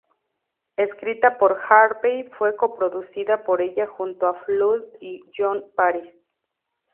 Escrita por Harvey, fue coproducida por ella junto a Flood y John Parish.